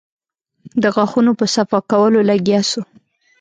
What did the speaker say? د غاښونو په صفا کولو لگيا سو.